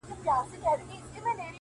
ستړى په گډا سومه _چي _ستا سومه _